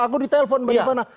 aku ditelepon pak gian